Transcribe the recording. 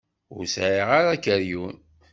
Ur sɛiɣ ara akeryun.